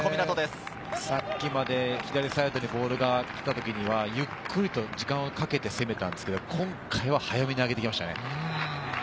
さっきまで左サイドにボールが来たときには、ゆっくりと時間をかけて攻めたんですが、今回は早めに上げてきましたね。